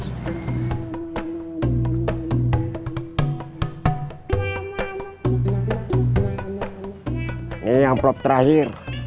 ini amplop terakhir